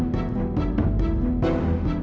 dia gini dulu tuh